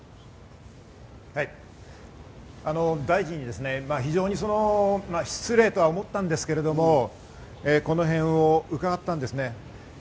大臣に非常に失礼とは思ったんですけれども、この辺を伺ったんです。